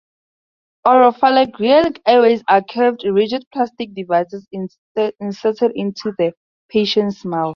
"Oropharyngeal airways" are curved, rigid plastic devices, inserted into the patient's mouth.